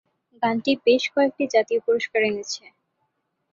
গানটি বেশ কয়েকটি জাতীয় পুরস্কার এনেছে।